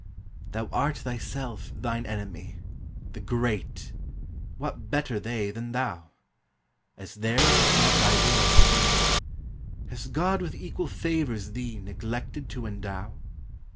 Thou art thyself thine enemy: The great! what better they than thou? As theirs is not thy will as free? Has God with equal favors thee Neglected to endow?